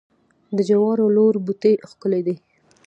د جوارو لوړ بوټي ښکلي دي.